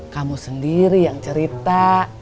kamu sendiri yang cerita